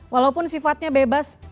walaupun sifatnya bebas